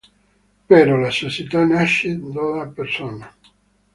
Però la società nasce dalle persone.